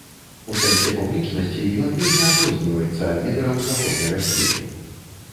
У сэнсе публічнасці ён вельмі адрозніваецца ад лідараў заходняга свету.